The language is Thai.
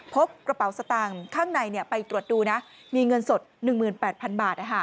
พบกระเป๋าสตางค์ข้างในไปตรวจดูนะมีเงินสด๑๘๐๐๐บาท